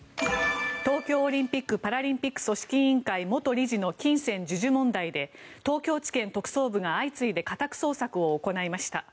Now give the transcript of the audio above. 東京オリンピック・パラリンピック組織委員会元理事の金銭授受問題で東京地検特捜部が相次いで家宅捜索を行いました。